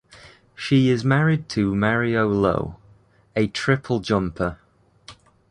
She is married to Mario Lowe, a triple jumper.